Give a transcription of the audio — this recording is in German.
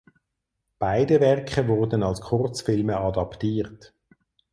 Beide Werke wurden als Kurzfilme adaptiert.